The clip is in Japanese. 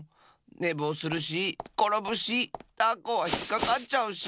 ねぼうするしころぶしたこはひっかかっちゃうし！